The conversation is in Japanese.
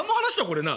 これな？